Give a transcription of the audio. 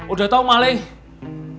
udah tau maling